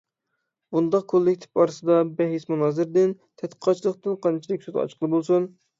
بۇنداق كوللىكتىپ ئارىسىدا بەھس مۇنازىرىدىن، تەتقىقاتچىلىقتىن قانچىلىك سۆز ئاچقىلى بولسۇن؟!